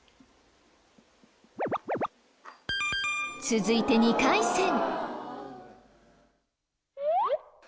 続いて２回戦。